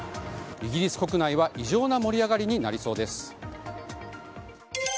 イギリス国内は異常な盛り上がりになりそうです。